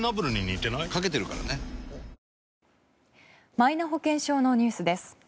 マイナ保険証のニュースです。